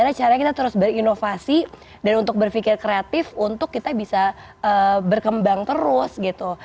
dan caranya kita terus berinovasi dan untuk berpikir kreatif untuk kita bisa berkembang terus gitu